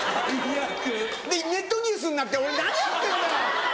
でネットニュースになって何やってんだよ！